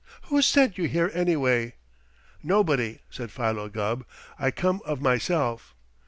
Who sent you here, anyway?" "Nobody," said Philo Gubb. "I come of myself."